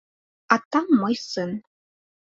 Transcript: А там мой сын.